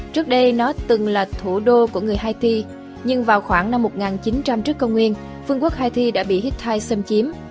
trước đây nó từng là thủ đô của người haiti nhưng vào khoảng năm một nghìn chín trăm linh trước công nguyên vương quốc haiti đã bị hittite xâm chiếm